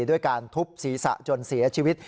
ด้วยการทุบศีรษะจนเสียชีวิต